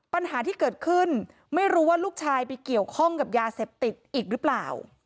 ปัญหาที่เกิดขึ้นไม่รู้ว่าลูกชายไปเกี่ยวข้องกับยาเสพติดอีกหรือเปล่า